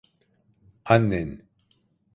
Annen.